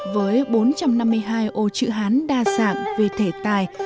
với bốn trăm năm mươi hai ô chữ hán đa dạng về thể tài